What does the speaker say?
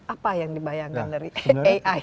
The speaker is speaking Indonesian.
apa yang dibayangkan dari ai